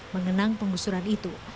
mengenang penggusuran itu